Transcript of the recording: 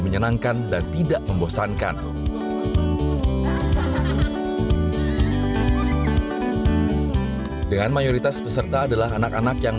menyenangkan dan tidak membosankan dengan mayoritas peserta adalah anak anak yang